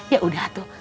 ya udah atuh